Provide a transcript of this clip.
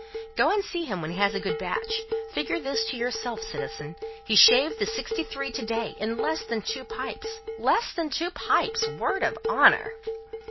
"Go and see him when he has a good batch. Figure this to yourself, citizen; he shaved the sixty three to day, in less than two pipes! Less than two pipes. Word of honour!"